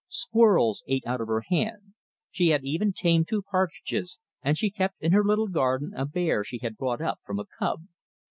Squirrels ate out of her hand, she had even tamed two partridges, and she kept in her little garden a bear she had brought up from a cub.